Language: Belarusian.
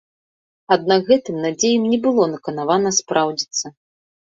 Аднак гэтым надзеям не было наканавана спраўдзіцца.